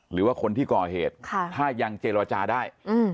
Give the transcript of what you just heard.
หรือว่าคนที่ก่อเหตุถ้ายังเจรจาได้